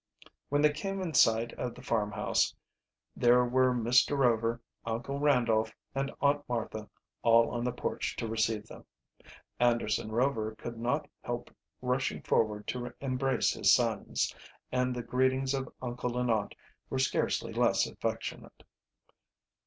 When they came in sight of the farmhouse there were Mr. Rover, Uncle Randolph, and Aunt Martha all on the porch to receive them. Anderson Rover could not help rushing forward to embrace his sons, and the greetings of uncle and aunt were scarcely less affectionate.